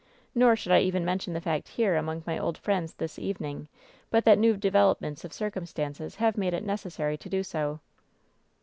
Nor should I even mention the fact here among my old friends this evening but that new developments of circumstances have made it neces sary to do so."